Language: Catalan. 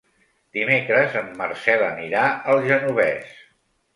Dimecres en Marcel anirà al Genovés.